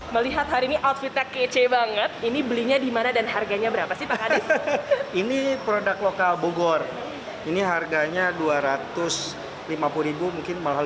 kalau dari celana sampai sepatu bagaimana pak